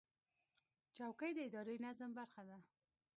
چوکۍ د اداري نظم برخه ده.